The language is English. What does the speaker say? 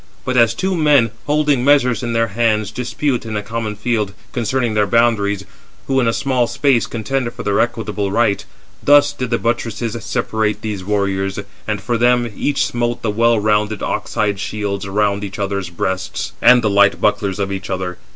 But as two men, holding measures in their hands, dispute, in a common field, 407 concerning their boundaries, who in a small space contend for their equitable right; thus did the buttresses separate these [warriors], and, for them, each smote the well rounded ox hide shields around each other's breasts, and the light bucklers of each other.